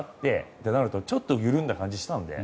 そうなるとちょっと緩んだ感じがしたので。